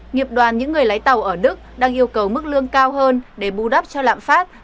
nghiệp đoàn những người lái tàu ở đức đang yêu cầu mức lương cao hơn để bù đắp cho lạm phát